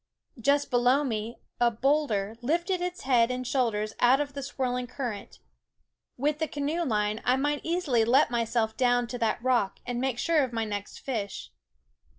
Just below me a bowlder lifted its head and shoulders out of the swirling current. With the canoe line I might easily let myself down to that rock and make sure of my next fish.